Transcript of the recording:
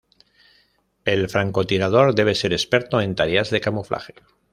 El francotirador debe ser experto en tareas de camuflaje.